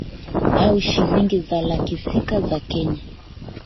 au shilingi za laki sita za Kenya